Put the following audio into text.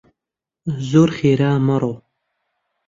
زۆر خێرا مەڕۆ!